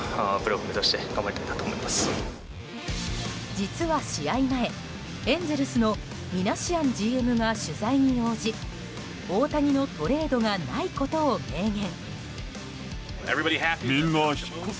実は、試合前エンゼルスのミナシアンＧＭが取材に応じ、大谷のトレードがないことを明言。